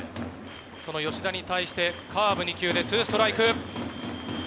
その吉田に対して、カーブ２球でツーストライク。